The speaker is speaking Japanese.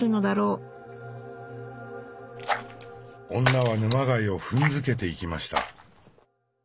女は沼貝を踏んづけていきました。